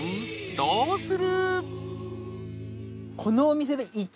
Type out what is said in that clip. どうする？］